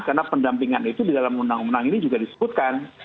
karena pendampingan itu di dalam undang undang ini juga disebutkan